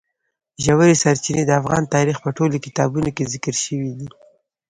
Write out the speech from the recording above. ژورې سرچینې د افغان تاریخ په ټولو کتابونو کې ذکر شوي دي.